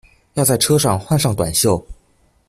要在车上换上短袖